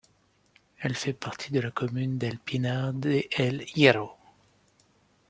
Elle fait partie de la commune d'El Pinar de El Hierro.